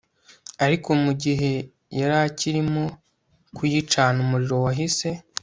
Ariko mugihe yarakirimo kuyicana umuriro wahise